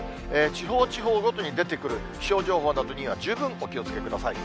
地方地方ごとに出てくる気象情報などには、十分お気をつけください。